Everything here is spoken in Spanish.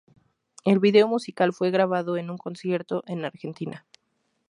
El vídeo musical fue grabado en un concierto en Argentina.